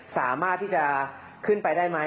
สามารถที่จะขึ้นไปได้ไหม